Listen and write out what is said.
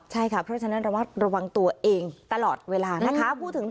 ใช่ค่ะเพราะฉะนั้นระมัดระวังตัวเองตลอดเวลานะคะ